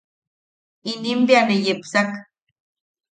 Inim bea ne yepsak.